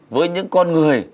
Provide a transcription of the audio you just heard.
với những con người